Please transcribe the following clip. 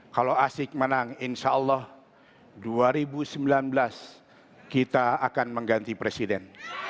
kalau asyik menang insya allah dua ribu sembilan belas kita akan mengganti presiden